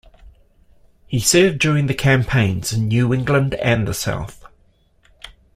He served during campaigns in New England and the South.